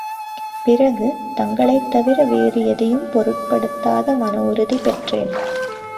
பிறகு, தங்களைத் தவிர வேறு எதையும் பொருட்படுத்தாத மனவுறுதி பெற்றேன்.